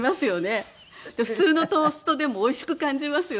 普通のトーストでもおいしく感じますよね。